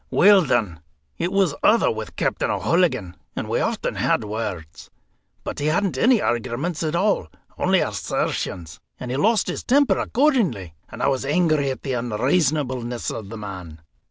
"Weel, then, it was other with Captain O'Hooligan, and we often had words; but he hadn't any arguments at all, only assertions, and he lost his temper accordingly, and I was angry at the unreasonableness of the man.